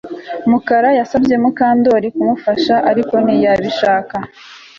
Mukara yasabye Mukandoli kumufasha ariko ntiyabishaka